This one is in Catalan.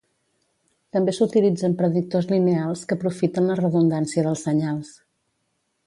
També s'utilitzen predictors lineals que aprofiten la redundància dels senyals.